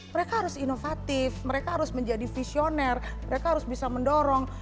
mereka harus inovatif mereka harus menjadi visioner mereka harus bisa mendorong